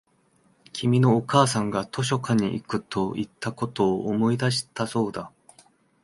君のお母さんが図書館に行くと言ったことを思い出したそうだ